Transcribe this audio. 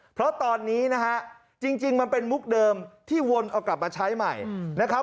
เพราะตอนนี้นะฮะจริงมันเป็นมุกเดิมที่วนเอากลับมาใช้ใหม่นะครับ